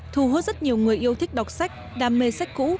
thu hút rất nhiều người yêu thích đọc sách đam mê sách cũ